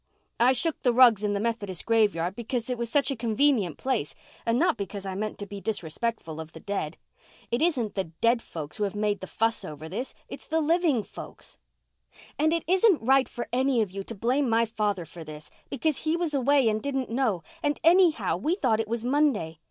I shook the rugs in the Methodist graveyard because it was such a convenient place and not because I meant to be disrespectful of the dead. It isn't the dead folks who have made the fuss over this—it's the living folks. And it isn't right for any of you to blame my father for this, because he was away and didn't know, and anyhow we thought it was Monday.